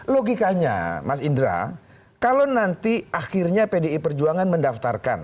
logikanya mas indra kalau nanti akhirnya pdi perjuangan mendaftarkan